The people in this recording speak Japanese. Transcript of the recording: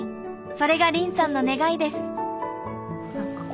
それが凜さんの願いです。